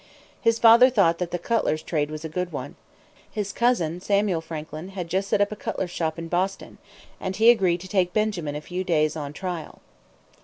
His father thought that the cutler's trade was a good one. His cousin, Samuel Franklin, had just set up a cutler's shop in Boston, and he agreed to take Benjamin a few days on trial.